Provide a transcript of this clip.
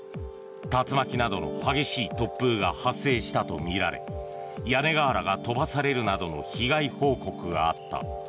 竜巻などの激しい突風が発生したとみられ屋根瓦が飛ばされるなどの被害報告があった。